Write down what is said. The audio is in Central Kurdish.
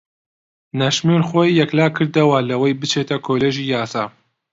نەشمیل خۆی یەکلا کردەوە لەوەی بچێتە کۆلێژی یاسا.